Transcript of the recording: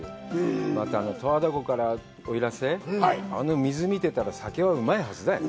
また、十和田湖から奥入瀬、あの水、見てたら、酒はうまいはずだよね。